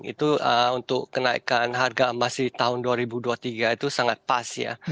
itu untuk kenaikan harga emas di tahun dua ribu dua puluh tiga itu sangat pas ya